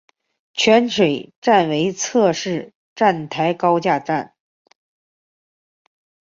泉水站为侧式站台高架站。